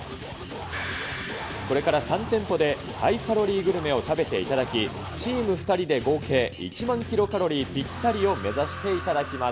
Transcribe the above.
これから３店舗でハイカロリーグルメを食べていただき、チーム２人で合計１万キロカロリーぴったりを目指していただきます。